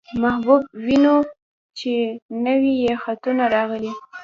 محبوب وينو، چې نوي يې خطونه راغلي.